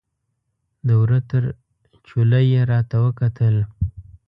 د وره تر چوله یې راته وکتل